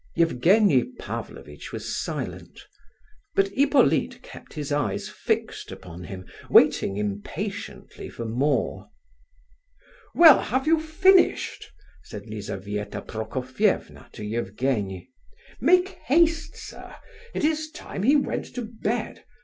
Evgenie Pavlovitch was silent, but Hippolyte kept his eyes fixed upon him, waiting impatiently for more. "Well, have you finished?" said Lizabetha Prokofievna to Evgenie. "Make haste, sir; it is time he went to bed.